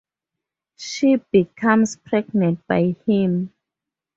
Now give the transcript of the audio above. She becomes pregnant by him.